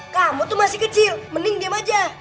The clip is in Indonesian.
kamu tuh masih kecil mending diam aja